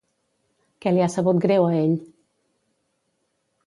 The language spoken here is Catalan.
Què li ha sabut greu a ell?